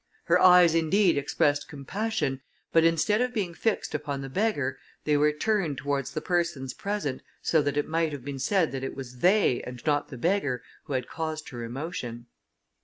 Her eyes indeed expressed compassion, but instead of being fixed upon the beggar, they were turned towards the persons present, so that it might have been said that it was they, and not the beggar, who had caused her emotion.